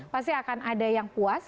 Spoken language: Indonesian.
pasti akan ada yang puas